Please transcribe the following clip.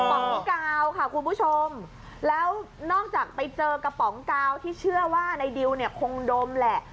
ป๋องกาวค่ะคุณผู้ชมแล้วนอกจากไปเจอกระป๋องกาวที่เชื่อว่าในดิวเนี่ยคงดมแหละ